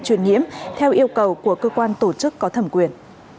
truyền nhiễm theo yêu cầu của cơ quan tổ chức có thẩm quyền